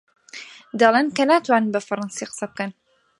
دەڵێن کە ناتوانن بە فەڕەنسی قسە بکەن.